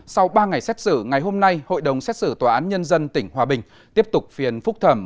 sau ba ngày xét xử ngày hôm nay hội đồng xét xử tòa án nhân dân tỉnh hòa bình tiếp tục phiền phúc thẩm